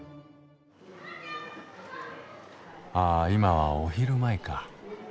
ああ今はお昼前か。